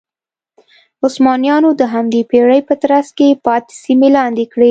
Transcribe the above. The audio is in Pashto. عثمانیانو د همدې پېړۍ په ترڅ کې پاتې سیمې لاندې کړې.